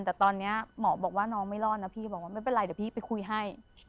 แต่ตอนนี้หมอบอกว่าน้องไม่รอดนะพี่บอกว่าไม่เป็นไรเดี๋ยวพี่ไปคุยให้